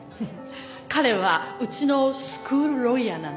彼はうちのスクールロイヤーなんです。